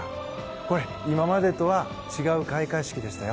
これ、今までとは違う開会式でしたよ。